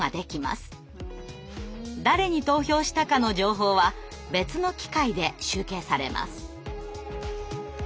誰に投票したかの情報は別の機械で集計されます。